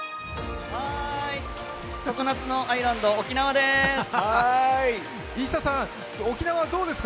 常夏のアイランド・沖縄でーす。